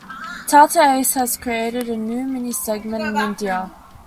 Tata Ace has created a new mini segment in India.